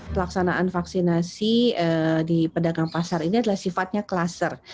pelaksanaan vaksinasi di pedagang pasar ini adalah sifatnya kluster